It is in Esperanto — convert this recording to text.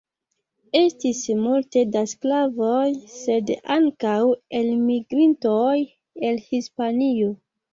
Estis multe da sklavoj, sed ankaŭ elmigrintoj el Hispanio.